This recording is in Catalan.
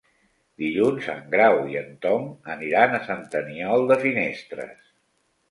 Dilluns en Grau i en Tom aniran a Sant Aniol de Finestres.